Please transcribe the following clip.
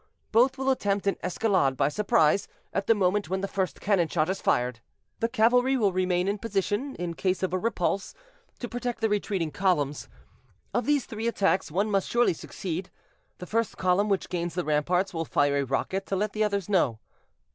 Both will attempt an escalade by surprise, at the moment when the first cannon shot is fired. "The cavalry will remain in position, in case of a repulse, to protect the retreating columns. Of these three attacks, one must surely succeed. The first column which gains the ramparts will fire a rocket to let the others know."